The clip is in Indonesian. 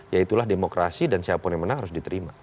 yaitulah demokrasi dan siapa pun yang menang harus diterima